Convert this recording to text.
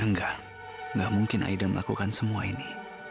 enggak enggak mungkin aida melakukan semua ini